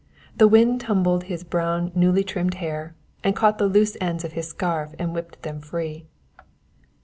The wind tumbled his brown newly trimmed hair, and caught the loose ends of his scarf and whipped them free.